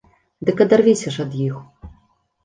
Дык адарвіся ж ад іх!